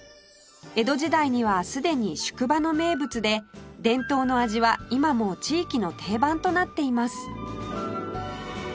江戸時代にはすでに宿場の名物で伝統の味は今も地域の定番となっています